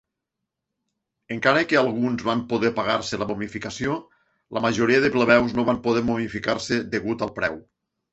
Encara que alguns van poder pagar-se la momificació, la majoria de plebeus no van poder momificar-se degut al preu.